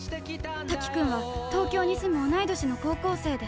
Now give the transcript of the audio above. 瀧君は、東京に住む同い年の高校生で。